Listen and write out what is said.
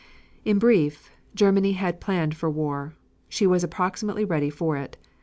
In brief, Germany had planned for war. She was approximately ready for it.